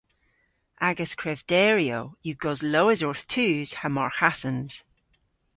Agas krevderyow yw goslowes orth tus ha marghasans.